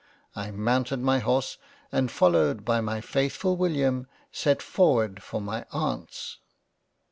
I mounted my Horse and followed by my faithful William set forwards for my Aunts."